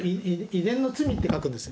遺伝の罪って書くんです。